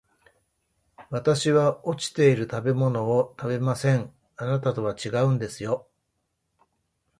私は落ちている食べ物を食べません、あなたとは違うんですよ